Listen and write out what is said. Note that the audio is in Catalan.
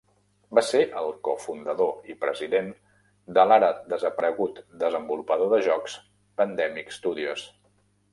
Va ser el cofundador i president de l'ara desaparegut desenvolupador de jocs Pandemic Studios.